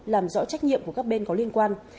làm rõ trách nhiệm của các bên có liên quan